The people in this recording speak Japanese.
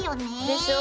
でしょ！